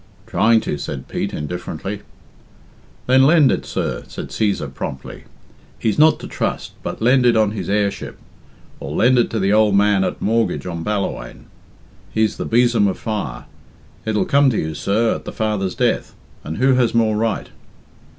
"Trying to," said Pete indifferently. "Then lend it, sir," said Cæsar promptly. "He's not to trust, but lend it on his heirship. Or lend it the ould man at mortgage on Ballawhaine. He's the besom of fire it'll come to you, sir, at the father's death, and who has more right?"